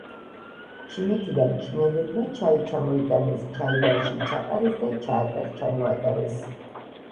ჩინეთიდან ჩინელებმა ჩაი ჩამოიტანეს, ჩაიდანში ჩაყარეს და ჩაატარ-ჩამოატარეს.